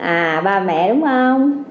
à ba mẹ đúng không